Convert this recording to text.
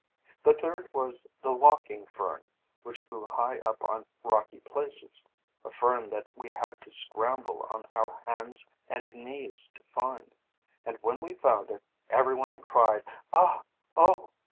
The third was the Walking Fern, which grew high up on rocky places; a Fern that we had to scramble on our hands and knees to find. And when we found it, every one cried 'Ah! Oh!'